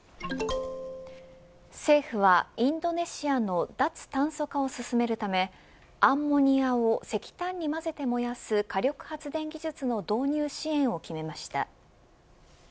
政府は、インドネシアの脱炭素化を進めるためアンモニアを石炭に混ぜて燃やす火力発電技術の導入支援を決めました。